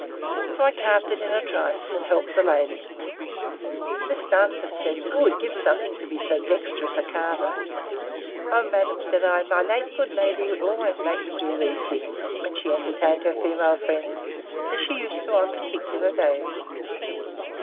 So I carved it in a trice, and helped the ladies. Miss Darnford said, I would give something to be so dexterous a carver. O madam, said I, my late good lady would always make me do these things, when she entertained her female friends, as she used to do on particular days.